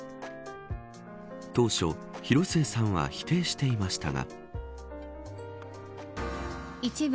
当初、広末さんは否定していましたが。